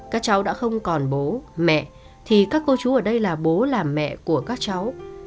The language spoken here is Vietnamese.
các cháu đã không còn bố mẹ thì các cô chú ở đây là bố là mẹ của các cháu